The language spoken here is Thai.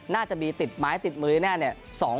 น่าจะมีติดไม้ติดมือแน่เนี่ย